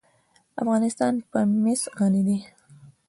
افغانستان په مس غني دی.